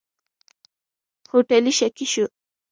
هوټلي شکي شو.